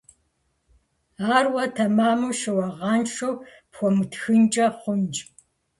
Ар уэ тэмэму, щыуагъэншэу пхуэмытхынкӀэ хъунщ.